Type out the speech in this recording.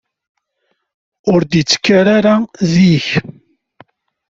Ur d-yettenkar ara zik.